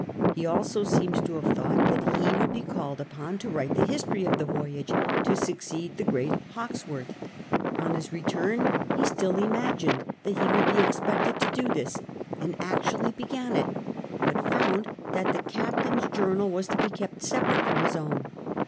He also seems to have thought that he would be called upon to write the history of the voyage, to succeed the great Hawkesworth. On his return ho still imagined that he would be expected to do this, and actually began it, but found that the captain's journal was to be kept separate from his own.